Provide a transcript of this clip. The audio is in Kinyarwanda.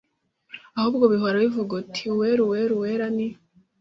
ahubwo bihora bivuga biti Uwera Uwera Uwera ni